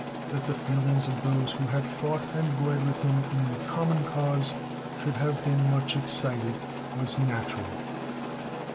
That the feelings of those who had fought and bled with him in a common cause should have been much excited was natural.